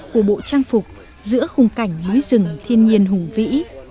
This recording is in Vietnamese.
của bộ trang phục giữa khung cảnh núi rừng thiên nhiên hùng vĩ